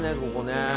ここね。